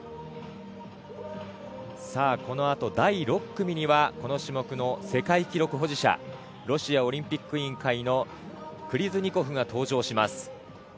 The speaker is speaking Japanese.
このあと、第６組にはこの種目の世界記録保持者ロシアオリンピック委員会のクリズニコフが登場します。